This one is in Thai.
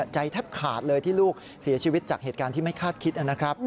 แทบขาดเลยที่ลูกเสียชีวิตจากเหตุการณ์ที่ไม่คาดคิดนะครับ